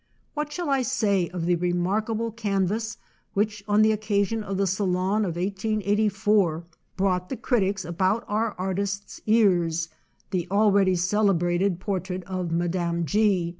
What shall I say of the remarkable can vas which, on the occasion of the Salon of 1884, brought the critics about our ar tist's ears, the already celebrated portrait of ''Madame G."